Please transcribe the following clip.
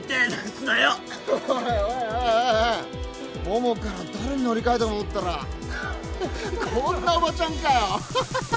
桃から誰に乗り換えたと思ったらこんなおばちゃんかよ！ハハハ。